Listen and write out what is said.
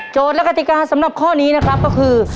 และกติกาสำหรับข้อนี้นะครับก็คือ